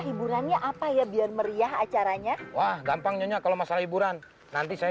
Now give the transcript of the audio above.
hiburannya apa ya biar meriah acaranya wah gampangnya kalau masalah hiburan nanti saya